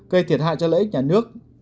gây thiệt hại cho lợi ích nhà nước